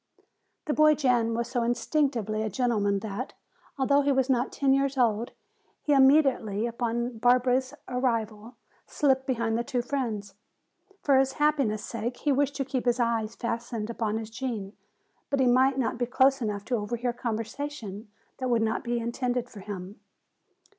The boy Jan was so instinctively a gentleman that, although he was not ten years old, he immediately upon Barbara's arrival slipped behind the two friends. For his happiness' sake he wished to keep his eyes fastened upon his Gene, but he must not be close enough to overhear conversation that would not be intended for him.